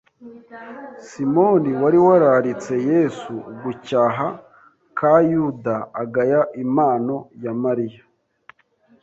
Simoni wari wararitse Yesu, ugucyaha ka Yuda agaya impano ya Mariya